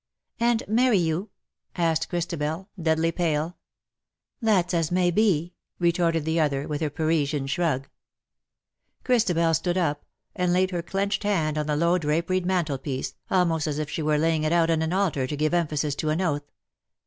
" And marry you ?" asked Christabel, deadly pale. " That's as may be/' retorted the other, with her Parisian shrug. Christabel stood up^ and laid her clenched hand on the low draperied mantelpiece, almost as if she were laying it on an altar to give emphasis to an oath.